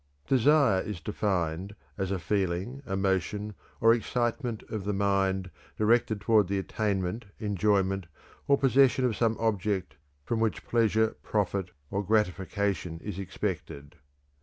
Desire is defined as "a feeling, emotion, or excitement of the mind directed toward the attainment, enjoyment, or possession of some object from which pleasure, profit, or gratification is expected."